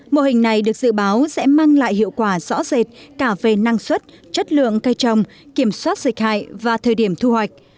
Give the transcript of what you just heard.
mô hình này được dự báo sẽ mang lại hiệu quả rõ rệt cả về năng suất chất lượng cây trồng kiểm soát dịch hại và thời điểm thu hoạch